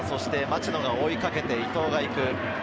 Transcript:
町野が追いかけて伊東が行く。